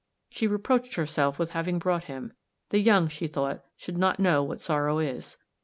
She reproached herself with having brought him ; the young, she thought, should not know what sorrow is.